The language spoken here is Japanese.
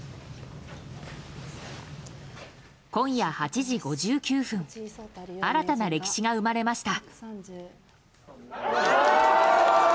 今夜８時５９分新たな歴史が生まれました。